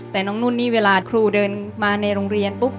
แต่น้องนุ่นนี่เวลาครูเดินมาในโรงเรียนปุ๊บ